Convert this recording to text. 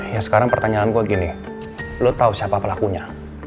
ya sekarang pertanyaanku gini lo tau siapa pelakunya